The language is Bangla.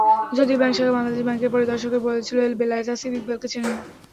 যদিও ব্যাংক শাখা বাংলাদেশ ব্যাংকের পরিদর্শকদের বলেছিল, বেলায়েত আসিফ ইকবালকে চেনেন না।